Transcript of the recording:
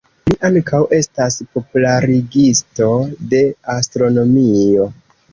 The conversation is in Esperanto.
Li ankaŭ estas popularigisto de astronomio.